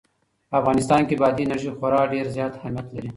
په افغانستان کې بادي انرژي خورا ډېر زیات اهمیت لري.